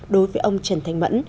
đối với ông trần thanh mẫn